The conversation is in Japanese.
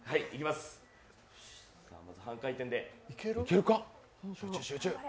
まず半回転で。